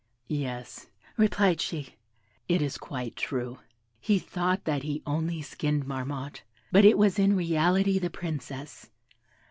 'Yes,' replied she, 'it is quite true; he thought that he only skinned Marmotte, but it was in reality the Princess.